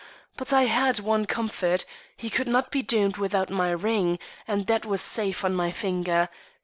But I had one comfort. He could not be doomed without my ring, and that was safe on my finger.